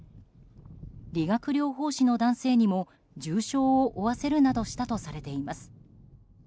理学療法士の男性にも重傷を負わせるなどしたとされています。